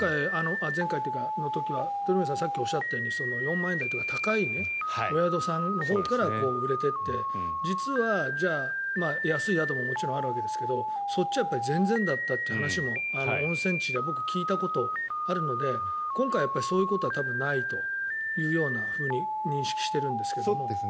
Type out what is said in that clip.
前回の時は鳥海さんがさっきおっしゃったように４万円台とか高い宿のほうから売れていって実はじゃあ、安い宿ももちろんあるわけですけどそっちは全然だったという話も温泉地では僕、聞いたことあるので今回、そういうことは多分ないと認識しているんですが。